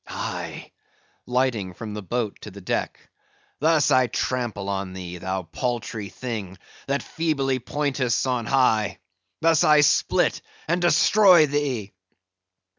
Aye," lighting from the boat to the deck, "thus I trample on thee, thou paltry thing that feebly pointest on high; thus I split and destroy thee!"